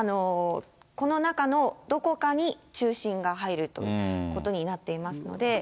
この中のどこかに中心が入るということになっていますので。